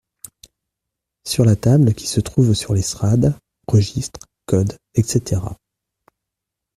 Sur la table qui se trouve sur l’estrade, registres, codes, etc…